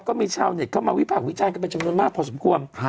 ก็มีชาวเน็ตเข้ามาวิภาควิจารณ์กันเป็นจำนวนมากพอสมควร